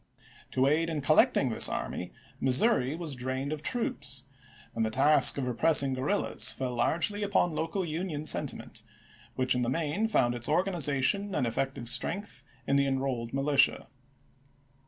To aid in collecting this army, Missouri was drained of troops, and the task of repressing guerrillas fell largely upon local Union sentiment, which in the main found its organization and effec tive strength in the Enrolled Militia.